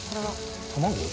卵？